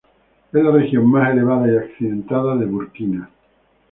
Es la región más elevada y accidentada de Burkina.